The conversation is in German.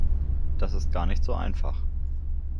Das ist gar nicht so einfach.